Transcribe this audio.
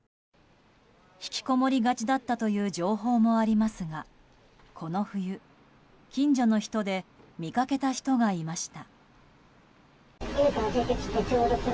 引きこもりがちだったという情報もありますがこの冬、近所の人で見かけた人がいました。